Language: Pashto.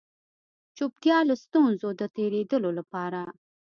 چوپتيا له ستونزو د تېرېدلو لپاره